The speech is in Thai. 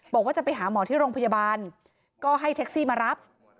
บอกว่าจะไปหาหมอที่โรงพยาบาลก็ให้แท็กซี่มารับ